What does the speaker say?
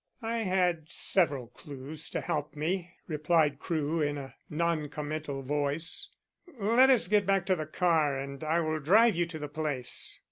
"I had several clues to help me," replied Crewe, in a non committal voice. "Let us get back to the car and I will drive you to the place."